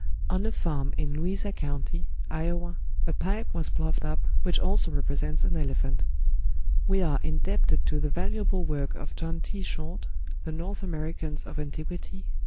On a farm in Louisa County, Iowa, a pipe was ploughed up which also represents an elephant. We are indebted to the valuable work of John T. Short ("The North Americans of Antiquity," p.